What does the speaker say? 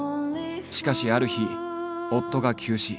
しかしある日夫が急死。